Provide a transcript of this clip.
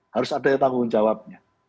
harus ada tanggung jawabnya